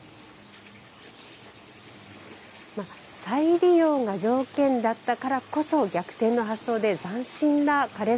「再利用」が条件だったからこそ逆転の発想で斬新な枯山水を目指した。